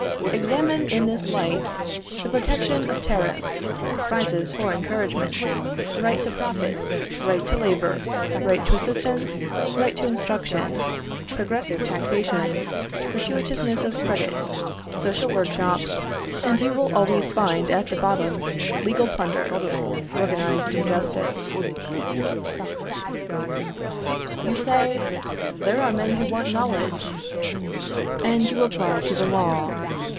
Examine, in this light, the protection of tariffs, prizes for encouragement, right to profit, right to labour, right to assistance, right to instruction, progressive taxation, gratuitousness of credit, social workshops, and you will always find at the bottom legal plunder, organised injustice. You say, "There are men who want knowledge," and you apply to the law.